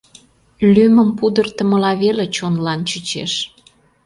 Лӱмым пудыртымыла веле чонлан чучеш.